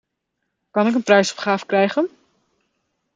Kan ik een prijsopgave krijgen?